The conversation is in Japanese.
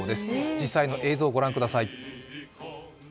実際の映像をご覧ください。